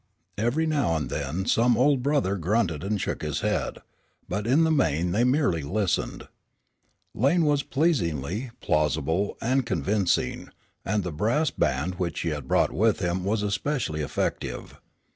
Every now and then some old brother grunted and shook his head. But in the main they merely listened. Lane was pleasing, plausible and convincing, and the brass band which he had brought with him was especially effective.